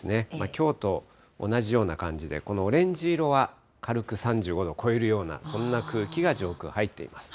きょうと同じような感じで、このオレンジ色は、軽く３５度を超えるような、そんな空気が上空入っています。